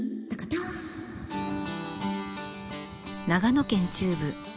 長野県中部